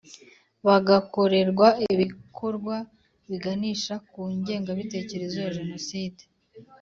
Bagakorerwa ibikorwa biganisha ku ngengabitekerezo ya Jenoside